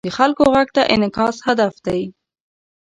د خلکو غږ ته انعکاس هدف دی.